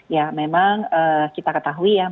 ya memang kita ketahui ya